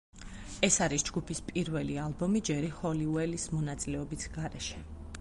ეს არის ჯგუფის პირველი ალბომი ჯერი ჰოლიუელის მონაწილეობით გარეშე.